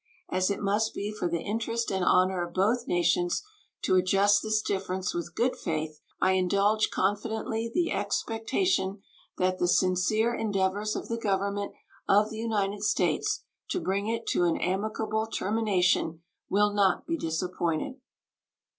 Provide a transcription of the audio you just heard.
As it must be for the interest and honor of both nations to adjust this difference with good faith, I indulge confidently the expectation that the sincere endeavors of the Government of the United States to bring it to an amicable termination will not be disappointed.